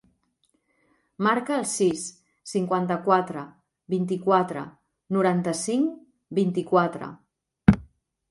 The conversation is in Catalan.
Marca el sis, cinquanta-quatre, vint-i-quatre, noranta-cinc, vint-i-quatre.